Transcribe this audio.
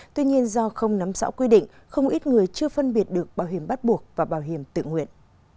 tuy nhiên do không nắm rõ quy định không ít người chưa phân biệt được bảo hiểm bắt buộc và bảo hiểm tự nguyện